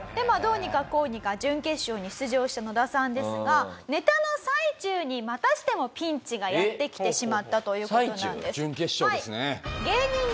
どうにかこうにか準決勝に出場した野田さんですがネタの最中にまたしてもピンチがやってきてしまったという事なんです。